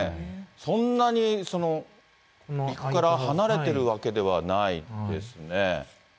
そんなに陸から離れてるわけではないですね。